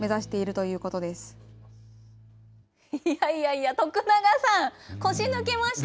いやいやいや、徳永さん、腰抜けました。